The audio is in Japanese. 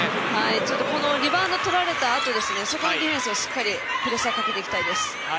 ちょっとリバウンドとられたあと、外側のディフェンスしっかり、プレッシャーかけていきたいです。